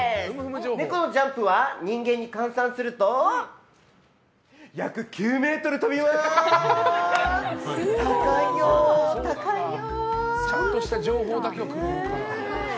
ネコのジャンプは人間に換算するとちょっとした情報だけをくれるから。